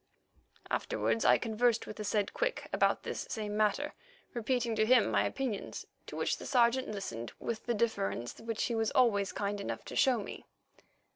Afterwards I conversed with the said Quick about this same matter, repeating to him my opinions, to which the Sergeant listened with the deference which he was always kind enough to show to me.